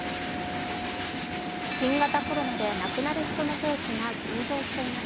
新型コロナで亡くなる人のペースが急増しています。